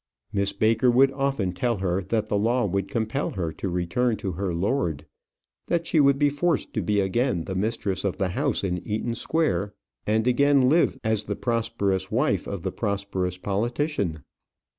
Miss Baker would often tell her that the law would compel her to return to her lord; that she would be forced to be again the mistress of the house in Eaton Square, and again live as the prosperous wife of the prosperous politician.